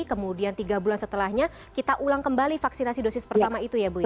kemudian tiga bulan setelahnya kita ulang kembali vaksinasi dosis pertama itu ya bu ya